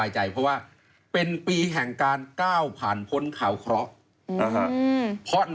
โชว์โชว์หน่อยท่าน